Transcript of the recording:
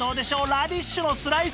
ラディッシュのスライス